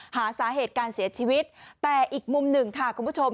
หาสาเหตุการเสียชีวิตแต่อีกมุมหนึ่งค่ะคุณผู้ชม